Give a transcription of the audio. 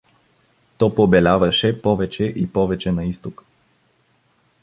То побеляваше повече и повече на изток.